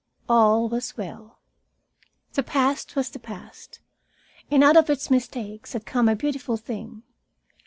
All was well. The past was past, and out of its mistakes had come a beautiful thing.